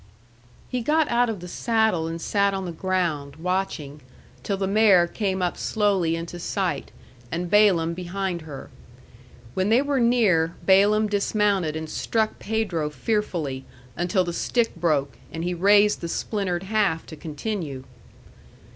He got out of the saddle and sat on the ground, watching, till the mare came up slowly into sight, and Balaam behind her. When they were near, Balaam dismounted and struck Pedro fearfully, until the stick broke, and he raised the splintered half to continue.